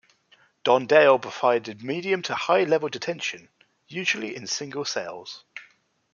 Don Dale provided medium to high level detention, usually in single cells.